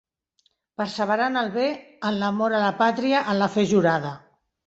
Perseverar en el bé, en l'amor a la pàtria, en la fe jurada.